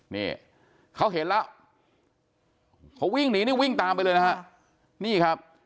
นี่เขาเห็นแล้วเขาวิ่งหนีนี่วิ่งตามไปเลยนะฮะนี่ครับ